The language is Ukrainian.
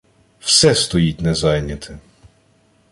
— Все стоїть незайняте!